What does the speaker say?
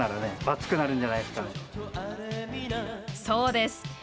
そうです